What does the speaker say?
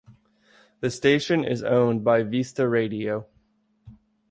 The station is owned by Vista Radio.